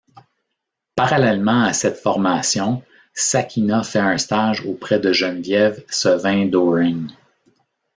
Parallèlement à cette formation, Sakina fait un stage auprès de Geneviève Sevin-Doering.